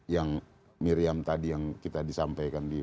yang miriam tadi yang kita disampaikan di